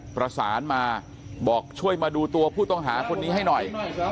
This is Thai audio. ประสานมาบอกช่วยมาดูตัวผู้ต้องหาคนนี้ให้หน่อย